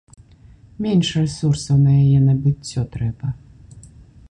Менш рэсурсаў на яе набыццё трэба.